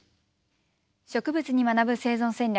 「植物に学ぶ生存戦略」。